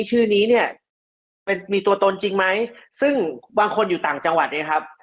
ชื่อนี้เนี่ยเป็นมีตัวตนจริงไหมซึ่งบางคนอยู่ต่างจังหวัดเนี่ยครับ